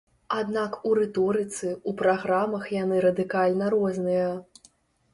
Аднак у рыторыцы, у праграмах яны радыкальна розныя.